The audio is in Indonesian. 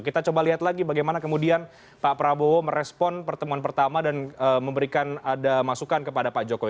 kita coba lihat lagi bagaimana kemudian pak prabowo merespon pertemuan pertama dan memberikan ada masukan kepada pak jokowi